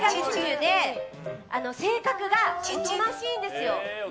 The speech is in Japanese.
性格がおとなしいんですよ。